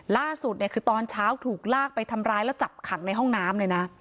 ล่าสุดเนี่ยคือตอนเช้าถูกลากไปทำร้ายแล้วจับขังในห้องน้ำเลยนะ